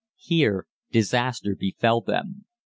"Here disaster befell them.